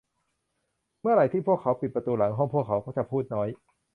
เมื่อไหร่ที่พวกเขาปิดประตูหลังห้อง พวกเขาจะพูดน้อย